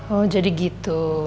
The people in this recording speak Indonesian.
oh jadi gitu